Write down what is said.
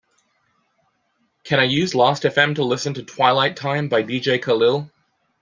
Can i use Lastfm to listen to Twilight Time by Dj Khalil?